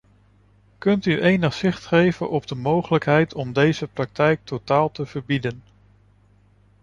Kunt u enig zicht geven op de mogelijkheid om deze praktijk totaal te verbieden?